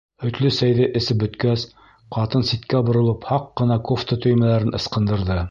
Һөтлө сәйҙе эсеп бөткәс, ҡатын ситкә боролоп һаҡ ҡына кофта төймәләрен ысҡындырҙы.